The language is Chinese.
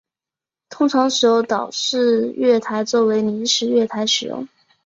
通常使用岛式月台作为临时月台使用。